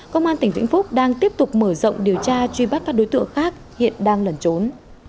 công an tỉnh vĩnh phúc đang tiếp tục mở rộng điều tra truy bắt các đối tượng khác hiện đang lẩn trốn